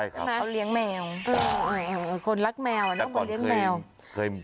เขาเลี้ยงแมวไอ้เมี๊ยวคนรักแมวอะน่ะคุณเลี้ยงแมว